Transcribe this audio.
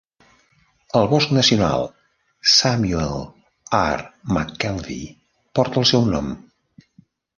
El Bosc Nacional Samuel R. McKelvie porta el seu nom.